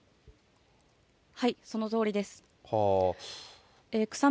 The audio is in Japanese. そのとおりです。